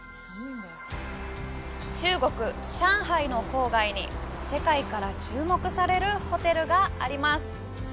中国・上海の郊外に世界から注目されるホテルがあります。